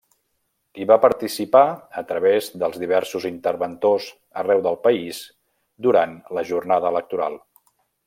Hi va participar a través dels diversos interventors arreu del país durant la jornada electoral.